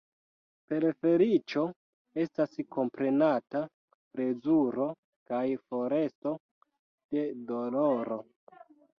Per feliĉo estas komprenata plezuro kaj foresto de doloro.